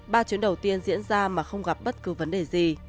ba chuyến đầu tiên diễn ra mà không gặp bất cứ vấn đề gì